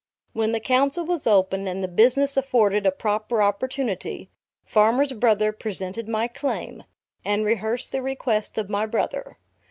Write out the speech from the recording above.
When the Council was opened, and the business afforded a proper opportunity, Farmer's Brother presented my claim, and rehearsed the request of my brother.